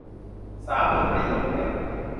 สามหมื่นประโยคแล้ว